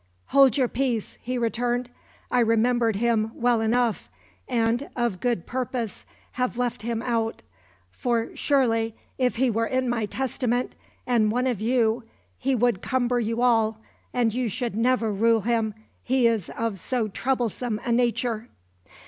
"Hold your peace," he returned. "I remembered him well enough, and of good purpose have left him out; for surely, if he were in my testament, and one of you, he would cumber you all, and you should never rule him, he is of so troublesome a nature."